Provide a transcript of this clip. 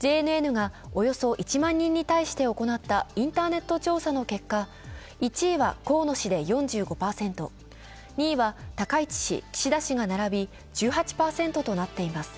ＪＮＮがおよそ１万人に対してインターネット調査の結果、１位は河野氏で４５％、２位は高市氏、岸田氏が並び１８％となっています。